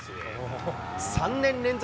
３年連続